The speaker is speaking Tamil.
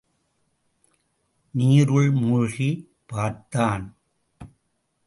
நீருள் மூழ்கிப் பார்த்தான்.